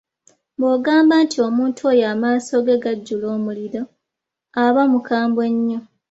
Bw’ogamba nti omuntu oyo amaaso ge gajjula omuliro, aba mukambwe nnyo.